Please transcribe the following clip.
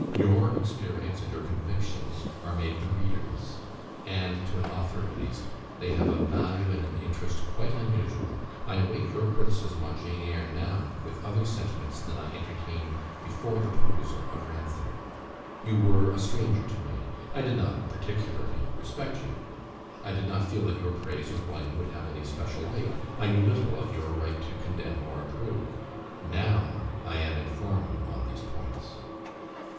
Your experience and your convictions are made the reader's; and to an author, at least, they have a value and an interest quite unusual. I await your criticism on 'Jane Eyre' now with other sentiments than I entertained before the perusal of 'Ranthorpe.' "You were a stranger to me. I did not particularly respect you. I did not feel that your praise or blame would have any special weight. I knew little of your right to condemn or approve. NOW I am informed on these points.